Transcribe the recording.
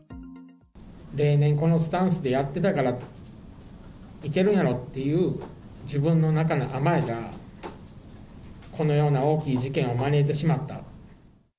例年、このスタンスでやってたから、いけるんやろうっていう、自分の中の甘えが、このような大きい事件を招いてしまった。